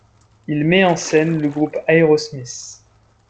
Il met en scène le groupe Aerosmith.